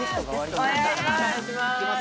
お願いします